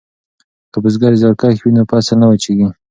که بزګر زیارکښ وي نو فصل نه وچیږي.